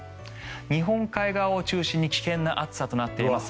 日本海側を中心に危険な暑さとなっています。